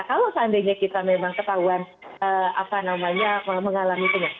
kalau seandainya kita memang ketahuan apa namanya mengalami itunya